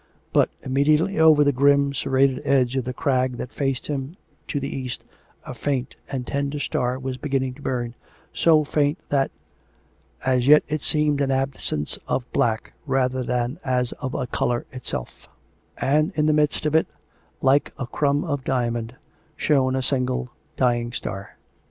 But, immediately over the grim, serrated edge of the crag that faced him to the east, a faint and tender light was beginning to burn, so faint that, as yet it seemed an absence of black rather than as of a colour itself; and in the midst of it, like a crumb of dia mond, shone a single dying star.